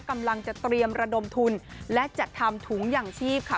กำลังจะเตรียมระดมทุนและจัดทำถุงอย่างชีพค่ะ